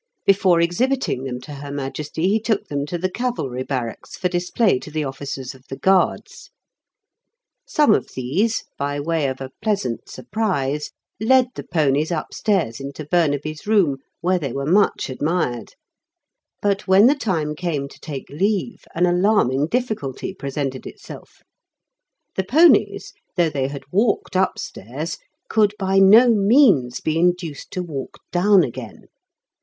Before exhibiting them to her Majesty he took them to the Cavalry Barracks for display to the officers of the Guards. Some of these, by way of a pleasant surprise, led the ponies upstairs into Burnaby's room, where they were much admired. But when the time came to take leave an alarming difficulty presented itself. The ponies, though they had walked upstairs, could by no means be induced to walk down again.